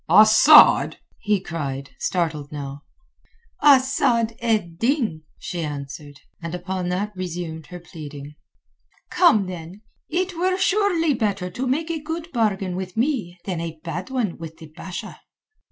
"Asad?" he cried, startled now. "Asad ed Din," she answered, and upon that resumed her pleading. "Come, then! It were surely better to make a good bargain with me than a bad one with the Basha."